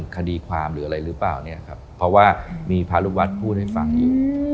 คดีความหรืออะไรหรือเปล่าเนี่ยครับเพราะว่ามีพระลูกวัดพูดให้ฟังอยู่